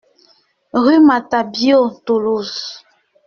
Rue Matabiau, Toulouse